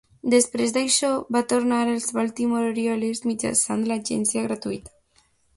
Després d'això, va tornar als Baltimore Orioles mitjançant l'agència gratuïta.